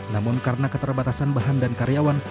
namun karena keterbatasan bahan dan karyawan